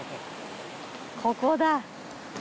ここだ。